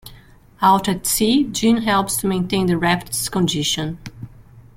Out at sea, Jin helps to maintain the raft's condition.